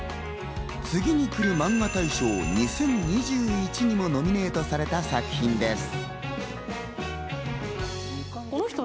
次にくるマンガ大賞２０２１にもノミネートされた作品です。